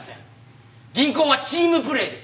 銀行はチームプレーです。